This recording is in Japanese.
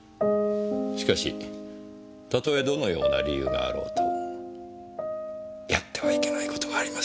しかし例えどのような理由があろうとやってはいけない事はあります。